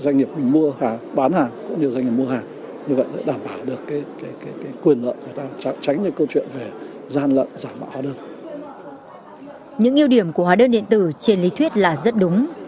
những ưu điểm của hóa đơn điện tử trên lý thuyết là rất đúng